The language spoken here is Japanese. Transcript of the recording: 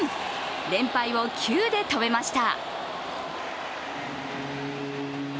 連敗を９で止めました。